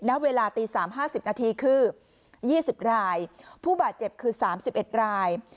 ณเวลาตี๓๕๐นาทีคือ๒๐รายผู้บาดเจ็บคือ๓๑ราย